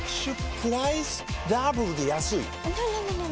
プライスダブルで安いＮｏ！